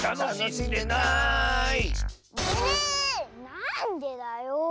なんでだよ。